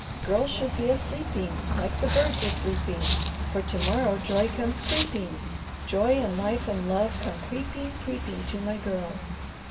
Girls should be a sleeping, like the birds a sleeping, for to morrow joy comes creeping, joy and life and love come creeping, creeping to my Girl.